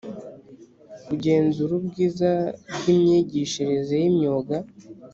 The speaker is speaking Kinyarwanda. kugenzura ubwiza bw imyigishirize y imyuga